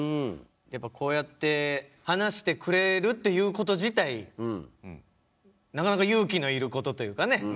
やっぱこうやって話してくれるっていうこと自体なかなか勇気のいることというかね。